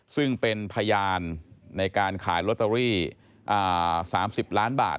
ซึ่งเป็นพยานในการขายลอตเตอรี่๓๐ล้านบาท